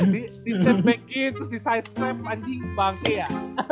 di step back in terus di sidestep anjing bangke ya